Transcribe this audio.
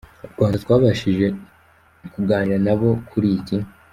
Rwanda twabashije kuganira nabo kuri iki.